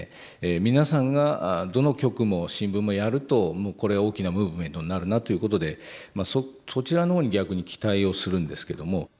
皆さんがどの局も新聞もやるともうこれは大きなムーブメントになるなということでそちらのほうに逆に期待をするんですけども。